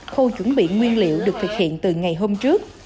khâu chuẩn bị nguyên liệu được thực hiện từ ngày hôm trước